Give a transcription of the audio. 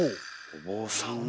お坊さんが。